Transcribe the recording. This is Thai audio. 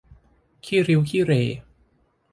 ขี้ริ้วขี้เหร่